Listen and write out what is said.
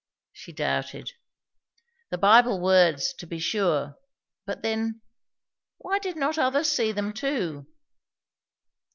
She doubted. The Bible words, to be sure, but then, why did not others see them too?